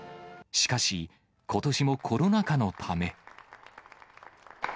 しかし、ことしもコロナ禍のため。